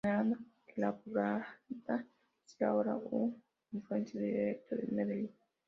Generando que la poblada sea ahora un afluente indirecto del Medellín.